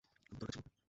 আমার দরকার ছিল ওকে।